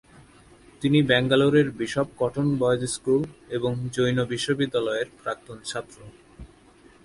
তিনি ব্যাঙ্গালোরের Bishop Cotton Boys School এবং জৈন বিশ্ববিদ্যালয়ের প্রাক্তন ছাত্র।